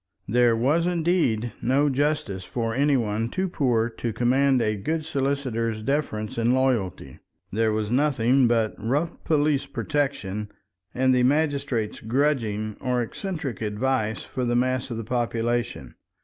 There was indeed no justice for any one too poor to command a good solicitor's deference and loyalty; there was nothing but rough police protection and the magistrate's grudging or eccentric advice for the mass of the population.